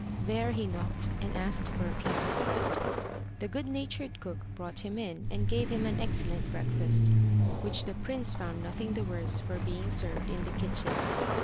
There he knocked, and asked for a piece of bread. The good natured cook brought him in, and gave him an excellent breakfast, which the prince found nothing the worse for being served in the kitchen.